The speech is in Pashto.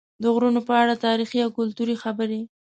د غرونو په اړه تاریخي او کلتوري خبرې